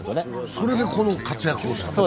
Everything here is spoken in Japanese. それでこの活躍をしたと？